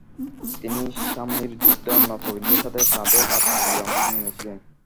তিনি শামলির যুদ্ধে অন্য প্রবীণদের সাথে কাঁধে কাঁধ মিলিয়ে অংশ নিয়েছিলেন।